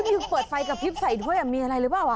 มีเปิดไฟกระพริบใส่ด้วยมีอะไรหรือเปล่า